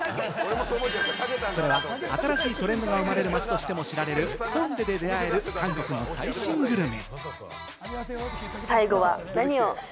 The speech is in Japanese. それは新しいトレンドが生まれる街としても知られるホンデで出会える韓国の最新グルメ。